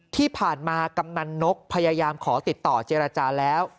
ที่ผ่านมากำนันนกพยายามขอติดต่อเจรจาแล้ว